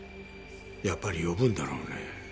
やっぱり呼ぶんだろうね。